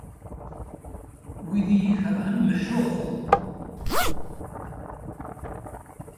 Wid i iyi-ikerhen, meḥḥuɣ-ten.